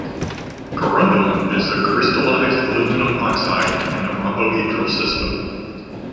Corundum is the crystallized aluminum oxide in the rhombohedral system.